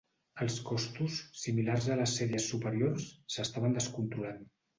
Els costos, similars a les sèries superiors, s'estaven descontrolant.